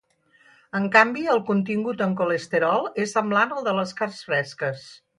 En canvi, el contingut en colesterol és semblant al de les carns fresques.